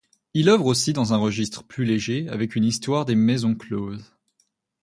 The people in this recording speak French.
Il œuvre aussi dans un registre plus léger avec une histoire des maisons closes.